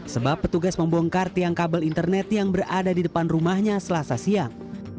sebab petugas membongkar tiang kabel internet yang berada di depan rumahnya selasa siang